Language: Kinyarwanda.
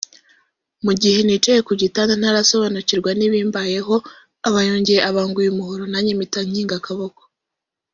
Mu gihe nicaye ku gitanda ntarasobanukirwa n’ibimbayeho aba yongeye abanguye umuhoro nanjye mpita nkinga akaboko